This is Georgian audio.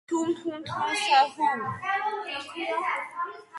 გამოძიებას ფედერალური საბრალდებო აქტი მოჰყვა და მწერალი გაფლანგვის ბრალდებით დააპატიმრეს.